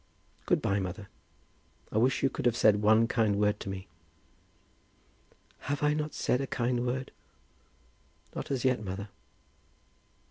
Good by, mother. I wish you could have said one kind word to me." "Have I not said a kind word?" "Not as yet, mother."